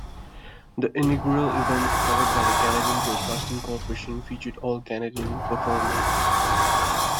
The inaugural event, covered by the Canadian Broadcasting Corporation, featured all Canadian performers.